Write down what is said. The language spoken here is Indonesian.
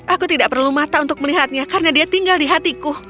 aku tidak perlu mata untuk melihatnya karena dia tinggal di hatiku